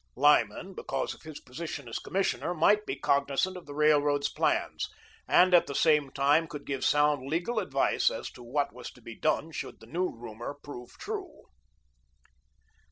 Lyman, because of his position as Commissioner, might be cognisant of the Railroad's plans, and, at the same time, could give sound legal advice as to what was to be done should the new rumour prove true.